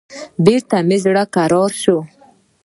بېرته مې زړه کرار سو.